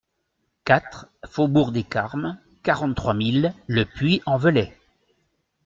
quatre faubourg des Carmes, quarante-trois mille Le Puy-en-Velay